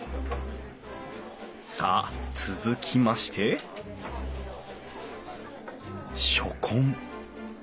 さあ続きまして初献。